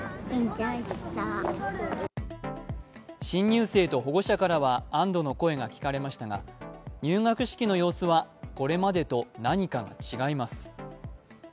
新入生と保護者からは安どの声が聞かれましたが入学式の様子はこれまでと何かが違います。